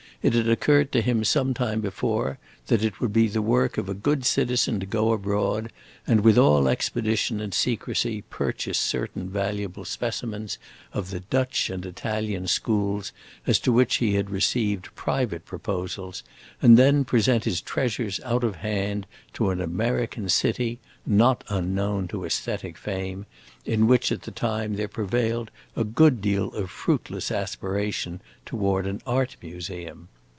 It had occurred to him some time before that it would be the work of a good citizen to go abroad and with all expedition and secrecy purchase certain valuable specimens of the Dutch and Italian schools as to which he had received private proposals, and then present his treasures out of hand to an American city, not unknown to aesthetic fame, in which at that time there prevailed a good deal of fruitless aspiration toward an art museum.